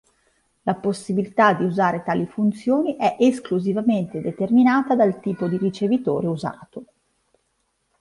La possibilità di usare tali funzioni è esclusivamente determinata dal tipo di ricevitore usato.